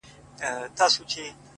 گراني بس څو ورځي لا پاته دي؛